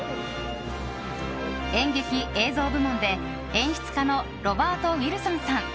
演劇・映像部門で、演出家のロバート・ウィルソンさん。